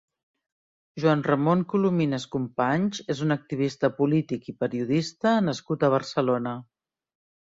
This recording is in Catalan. Joan-Ramon Colomines-Companys és un activista polític i periodista nascut a Barcelona.